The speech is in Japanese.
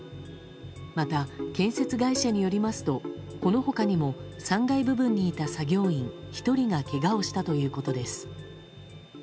また、建設会社によりますとこの他にも３階部分にいた作業員１人がけがをしたということです。